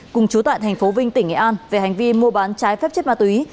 cùng chú tại tp vinh tỉnh nghệ an về hành vi mua bán trái phép chất ma túy